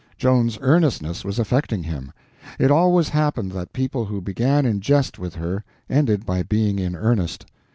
Joan's earnestness was affecting him. It always happened that people who began in jest with her ended by being in earnest.